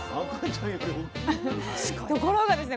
ところがですね